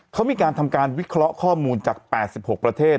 เขามีการทำการวิเคราะห์ข้อมูลจาก๘๖ประเทศ